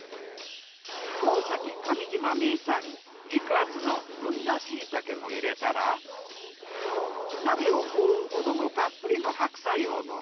大崎上島名産肉厚の文田しいたけも入れたら鍋を覆うほどのたっぷりの白菜をのせ